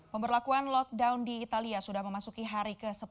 pemberlakuan lockdown di italia sudah memasuki hari ke sepuluh